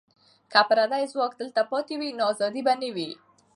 که پردي ځواک دلته پاتې وي، نو ازادي به نه وي.